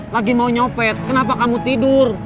lagi mau nyopet kenapa kamu tidur